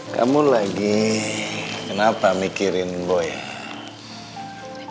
kamu lagi kenapa mikirin boeing